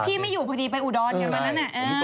พี่ไม่อยู่พอดีไปอุดรอย่างนั้นน่ะ